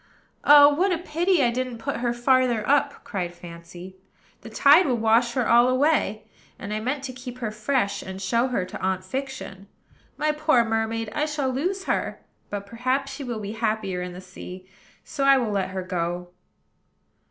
"Oh, what a pity I didn't put her farther up!" cried Fancy; "the tide will wash her all away; and I meant to keep her fresh, and show her to Aunt Fiction. My poor mermaid! I shall lose her; but perhaps she will be happier in the sea: so I will let her go."